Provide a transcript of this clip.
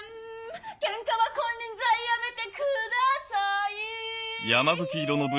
ケンカは金輪際やめてくださいい！